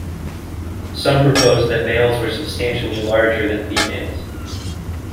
Some propose that males were substantially larger than females.